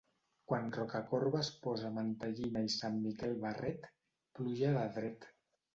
Quan Rocacorba es posa mantellina i Sant Miquel barret, pluja de dret.